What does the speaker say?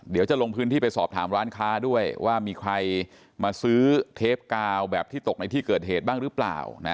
เดี๋ยวจะลงพื้นที่ไปสอบถามร้านค้าด้วยว่ามีใครมาซื้อเทปกาวแบบที่ตกในที่เกิดเหตุบ้างหรือเปล่า